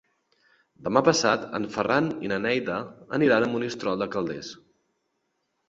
Demà passat en Ferran i na Neida aniran a Monistrol de Calders.